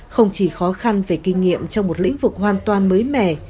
không chỉ khó khăn về kinh nghiệm trong một lĩnh vực hoàn toàn mới mẻ